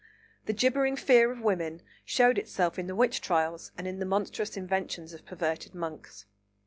The gibbering fear of women showed itself in the witch trials and in the monstrous inventions of perverted monks.